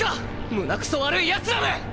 胸くそ悪いやつらめ！